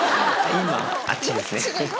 今、あっちですね。